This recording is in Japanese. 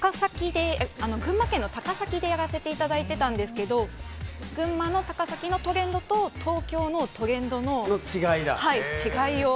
群馬県の高崎でやらせていただいてたんですけど群馬の高崎のトレンドと東京のトレンドの違いを。